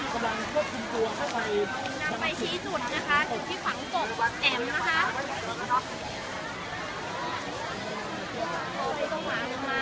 เป็นตัวที่กะคุณน้ำไปชี้จุดนะคะ